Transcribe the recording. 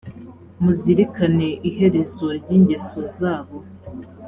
muzirikane iherezo ry ingeso zabo